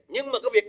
nhưng mà cái việc này